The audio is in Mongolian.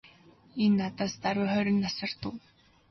Энэ надаас даруй хорин насаар дүү.